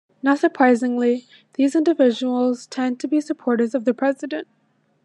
Not surprisingly, these individuals tend to be supporters of the president.